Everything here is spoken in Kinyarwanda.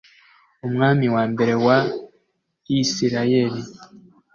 umwami wa mbere wa isirayeli